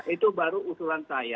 itu baru usulan saya